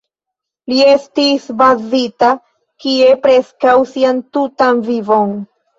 Li estis bazita tie preskaŭ sian tutan vivon.